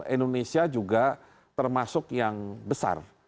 indonesia juga termasuk yang besar